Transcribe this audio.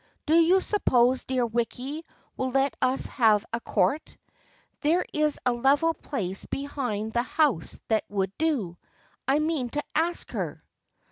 Do you suppose dear Wicky will let us have a court ? There is a level place behind the house that would do. I mean to ask her."